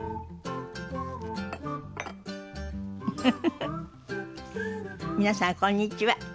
フフフフ皆さんこんにちは。